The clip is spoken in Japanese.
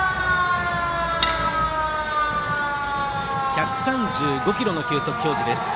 １３５キロの球速表示。